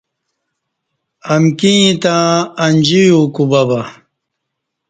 امکی ییں تہ انجی یو کوبہ بہ۔